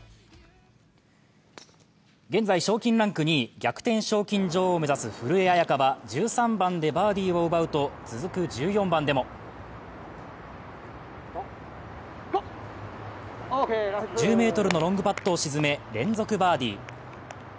現在、賞金ランク２位、逆転賞金女王を目指す古江彩佳は１３番でバーディーを奪うと、続く１４番でも、１０ｍのロングパットを沈め連続バーディー。